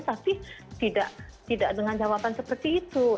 tapi tidak dengan jawaban seperti itu